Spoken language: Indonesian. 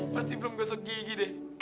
pasti belum gosok gigi deh